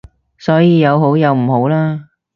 所以有好有唔好啦